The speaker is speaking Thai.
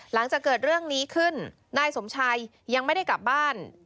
หลังจากเกิดเรื่องนี้ขึ้นนายสมชัยยังไม่ได้กลับบ้าน